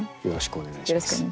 よろしくお願いします。